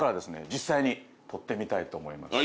実際に撮ってみたいと思います。